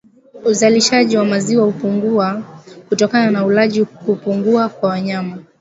Uzalishaji wa maziwa hupungua kutokana na ulaji kupungua kwa wanyama